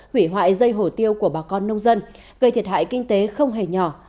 hủy hoại dây hổ tiêu của bà con nông dân gây thiệt hại kinh tế không hề nhỏ